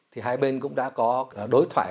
thì hai bên cũng đã có đối thoại